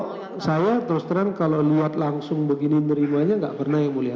kalau saya terus terang kalau luat langsung begini menerimanya nggak pernah yang mulia